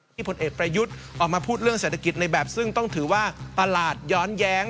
ผลเอกประยุทธ์ออกมาพูดเรื่องเศรษฐกิจในแบบซึ่งต้องถือว่าประหลาดย้อนแย้ง